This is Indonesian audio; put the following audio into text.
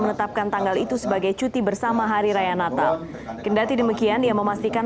menetapkan tanggal itu sebagai cuti bersama hari raya natal kendati demikian ia memastikan